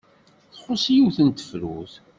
Txuṣṣ yiwet n tefrut.